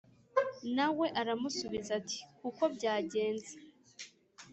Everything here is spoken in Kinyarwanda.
Na we aramusubiza kuko byajyenze